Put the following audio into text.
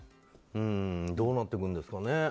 どうなっていくんですかね。